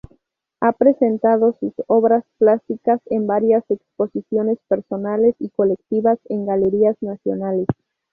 Ha presentado sus obras plásticas en varias exposiciones personales y colectivas en Galerías Nacionales.